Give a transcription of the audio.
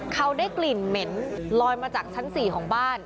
เขาได้กลิ่นเหม็นลอยมาจากชั้น๔ของบ้าน